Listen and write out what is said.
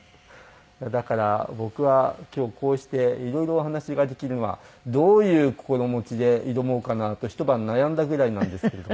だから僕は今日こうしていろいろお話ができるのはどういう心持ちで挑もうかなとひと晩悩んだぐらいなんですけれども。